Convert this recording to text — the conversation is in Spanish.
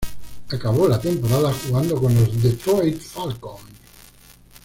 Acabó la temporada jugando con los Detroit Falcons.